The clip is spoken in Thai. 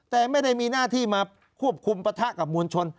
แต่ไม่ได้มีหน้าที่มาควบคุมปะทะกับมวลชน